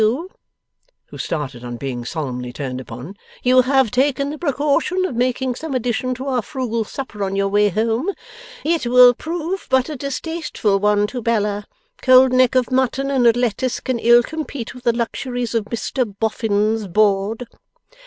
W.': who started on being solemnly turned upon: 'you have taken the precaution of making some addition to our frugal supper on your way home, it will prove but a distasteful one to Bella. Cold neck of mutton and a lettuce can ill compete with the luxuries of Mr Boffin's board.